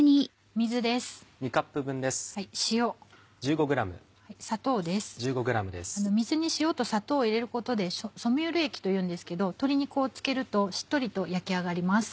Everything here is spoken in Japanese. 水に塩と砂糖を入れることでソミュール液というんですけど鶏肉を漬けるとしっとりと焼き上がります。